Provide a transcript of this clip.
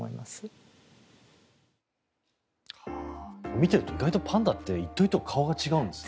見ていると意外とパンダって１頭１頭顔が違うんですね。